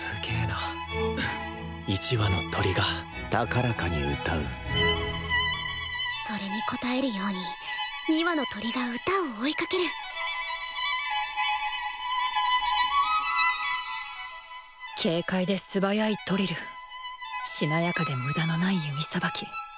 １羽の鳥が高らかに歌うそれに応えるように２羽の鳥が歌を追いかける軽快で素早いトリルしなやかで無駄のない弓さばき。